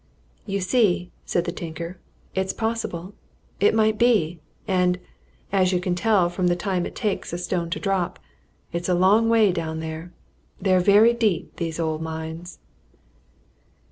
"You see," said the tinker, "it's possible. It might be. And as you can tell from the time it takes a stone to drop it's a long way down there. They're very deep, these old mines."